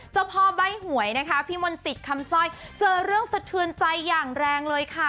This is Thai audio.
เจ้าพ่อใบ้หวยนะคะพี่มนต์สิทธิ์คำสร้อยเจอเรื่องสะเทือนใจอย่างแรงเลยค่ะ